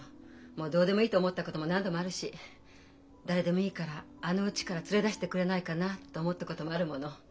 「もうどうでもいい」って思ったことも何度もあるし「誰でもいいからあのうちから連れ出してくれないかな」って思ったこともあるもの。